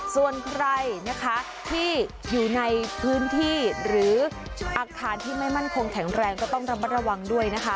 ส่วนใครนะคะที่อยู่ในพื้นที่หรืออาคารที่ไม่มั่นคงแข็งแรงก็ต้องระมัดระวังด้วยนะคะ